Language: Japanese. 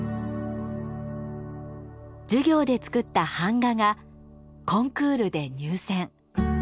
授業で作った版画がコンクールで入選。